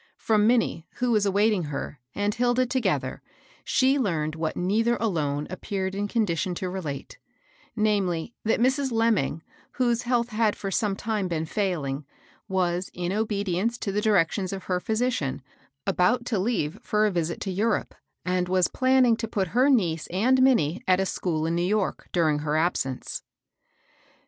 Erom Minnie, who was awaiting her, and Hilda together, she learned what neither alone appeared in condition to re*' late ; namely, that Mrs. Lemming, whose health had for some time been failing, was, in obedience to the directions of her physician, about to leave for a visit to Europe, and was planning to put her niece and Minnie at a school in New York, during her absence.